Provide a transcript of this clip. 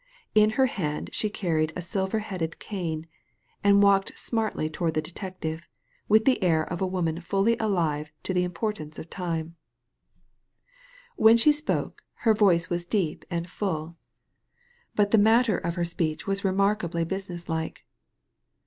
In her hand she carried a silver headed cane, and walked smartly towards the detective, with the air of a woman fully alive to the importance of tima When she spoke, her voice was deep and full, but Digitized by Google 90 THE LADY FROM NOWHERE the matter of her speech was remarkably business like.